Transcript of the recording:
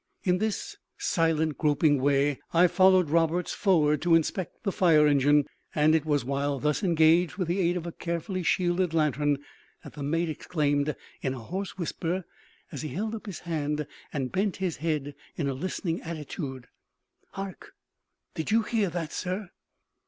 In this silent, groping way I followed Roberts forward to inspect the fire engine; and it was while thus engaged with the aid of a carefully shielded lantern, that the mate exclaimed, in a hoarse whisper, as he held up his hand, and bent his head in a listening attitude "Hark! did you hear that, sir?"